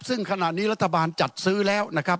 ซึ่งขณะนี้รัฐบาลจัดซื้อแล้วนะครับ